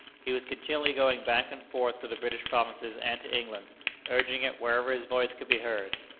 He was continually going back and forth to the British Provinces and to England, urging it wherever his voice could be heard.